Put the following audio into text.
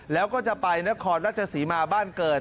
แล้วก็จะไปนครราชศรีมาบ้านเกิด